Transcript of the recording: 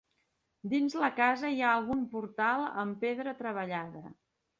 Dins la casa hi ha algun portal amb pedra treballada.